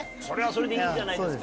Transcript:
それはそれでいい。